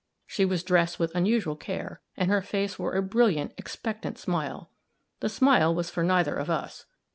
She was dressed with unusual care, and her face wore a brilliant, expectant smile. The smile was for neither of us.